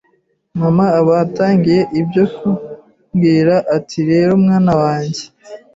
mama aba atangiye ibyo ku mubwira ati rero mwana wanjye